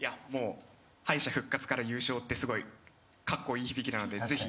敗者復活から優勝ってすごいカッコイイ響きなのでぜひ。